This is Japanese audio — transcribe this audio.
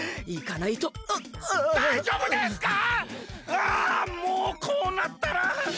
ああもうこうなったら。